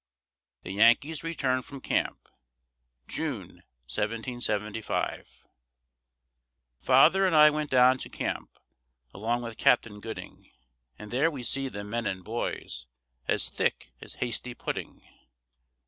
THE YANKEE'S RETURN FROM CAMP [June, 1775] Father and I went down to camp, Along with Captain Gooding, And there we see the men and boys, As thick as hasty pudding.